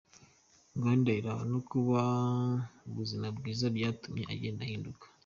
Gukunda iraha no kuba mu buzima bwiza byatumye agenda ahinduka.